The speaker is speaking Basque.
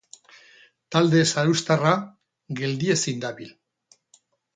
Talde zarauztarra geldiezin dabil.